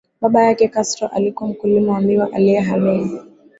Baba yake Castro alikuwa mkulima wa miwa aliyehamia